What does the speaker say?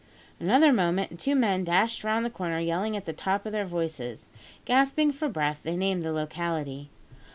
Another moment, and two men dashed round the corner, yelling at the top of their voices. Gasping for breath, they named the locality.